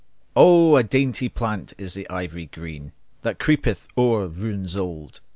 O, a dainty plant is the ivy green, That creepeth o'er ruins old!